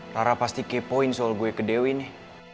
tara pasti kepoin soal gue ke dewi nih